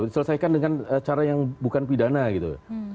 sudah selesaikan dengan cara yang bukan pidana gitu